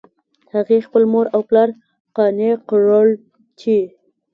هغې خپل مور او پلار قانع کړل چې